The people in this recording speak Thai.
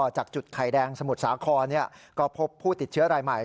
จากจุดไข่แดงสมุทรสาครก็พบผู้ติดเชื้อรายใหม่